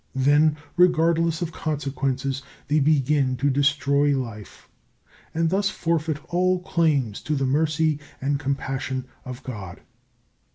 Then, regardless of consequences, they begin to destroy life, and thus forfeit all claims to the mercy and compassion of God.